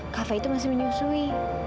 kak fah itu masih menyusui